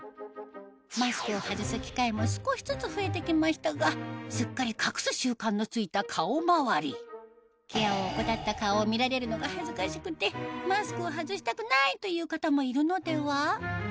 マスクを外す機会も少しずつ増えてきましたがすっかり隠す習慣のついた顔まわりケアを怠った顔を見られるのがという方もいるのでは？